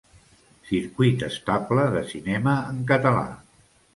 Circuit estable de Cinema en Català.